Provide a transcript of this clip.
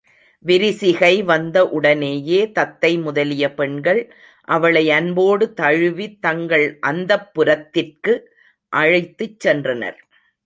விரிசிகை வந்த உடனேயே தத்தை முதலிய பெண்கள் அவளை அன்போடு தழுவித் தங்கள் அந்தப் புரத்திற்கு அழைத்துச் சென்றனர்.